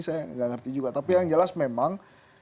saya nggak ngerti juga tapi yang jelas memang